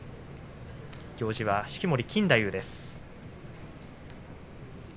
行司は式守錦太夫です。